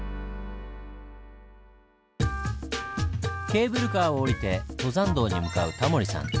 ケーブルカーを降りて登山道に向かうタモリさん。